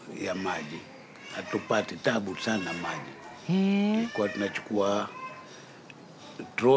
へえ。